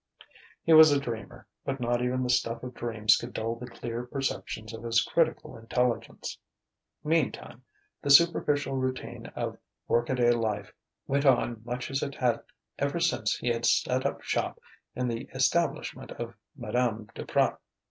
He was a dreamer, but not even the stuff of dreams could dull the clear perceptions of his critical intelligence.... Meantime, the superficial routine of work a day life went on much as it had ever since he had set up shop in the establishment of Madame Duprat.